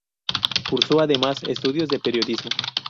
Cursó además estudios de periodismo.